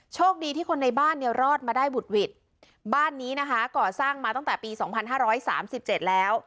โชคดีที่คนในบ้านเนี่ยรอดมาได้บุดหวิดบ้านนี้นะคะก่อสร้างมาตั้งแต่ปีสองพันห้าร้อยสามสิบเจ็ดแล้ว